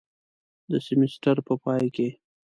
د سیمیستر په پای کې